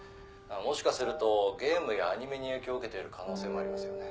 「もしかするとゲームやアニメに影響を受けている可能性もありますよね」